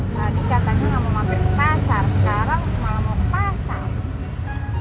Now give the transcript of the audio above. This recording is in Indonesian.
sekarang malah mau ke pasar